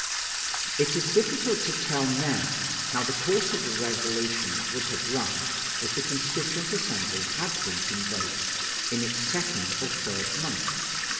It is difficult to tell now how the course of the Revolution would have run if the Constituent Assembly had been convoked in its second or third month.